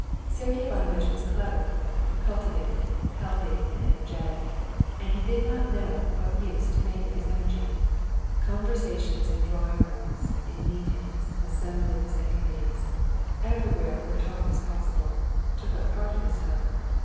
Sergey Ivanovitch was clever, cultivated, healthy, and energetic, and he did not know what use to make of his energy. Conversations in drawing rooms, in meetings, assemblies, and committees—everywhere where talk was possible—took up part of his time.